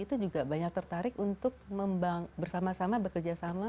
itu juga banyak tertarik untuk bersama sama bekerja sama